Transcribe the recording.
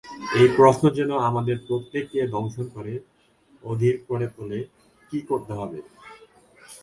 এই প্রশ্ন যেন আমাদের প্রত্যেককে দংশন করে অধীর করে তোলে, কী করতে হবে?